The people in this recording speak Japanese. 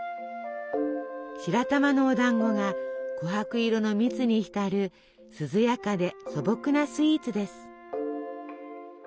白玉のおだんごがこはく色の蜜に浸る涼やかで素朴なスイーツです。